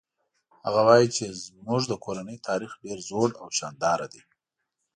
هغه وایي چې زموږ د کورنۍ تاریخ ډېر زوړ او شانداره ده